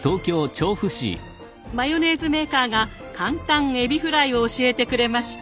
マヨネーズメーカーが簡単えびフライを教えてくれました。